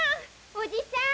おじさん！